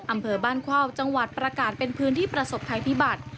อำเภอบ้านเข้าจังหวัดประกาศเป็นพื้นที่ประสบภัยพิบัติ